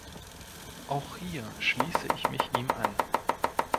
Auch hier schließe ich mich ihm an.